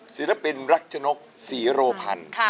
สิรปินรัชชนกษีโรพัน